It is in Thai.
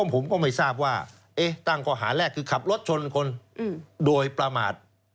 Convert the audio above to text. ผมก็ไม่ทราบว่าตั้งข้อหาแรกคือขับรถชนคนโดยประมาท